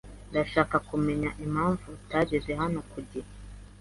Ndashaka kumenya impamvu utageze hano ku gihe.